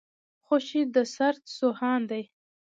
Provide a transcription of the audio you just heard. خوشي د سرت سو هان دی.